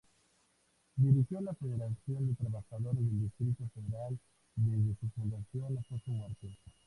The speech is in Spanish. Dirigió la Federación de Trabajadores del Distrito Federal desde su fundación hasta su muerte.